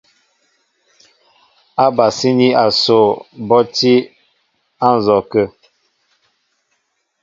Ábasíní asoo bɔ́ á tí á nzɔkə̂.